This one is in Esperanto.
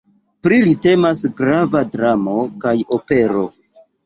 Pri li temas grava dramo kaj opero.